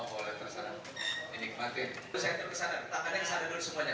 terus saya turun kesana tangannya kesana dulu semuanya